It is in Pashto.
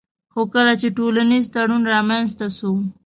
خو کله چي ټولنيز تړون رامنځته سو